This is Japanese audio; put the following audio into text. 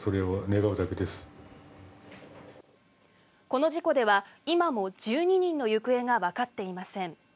この事故では今も１２人の行方がわかっていません。